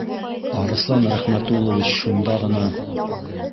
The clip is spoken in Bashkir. Арыҫлан Рәхмәтуллович шунда ғына